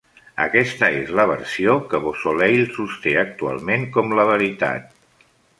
Aquesta és la versió que Beausoleil sosté actualment com la veritat.